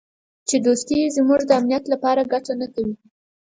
چې دوستي یې زموږ د امنیت لپاره ګټه نه کوي.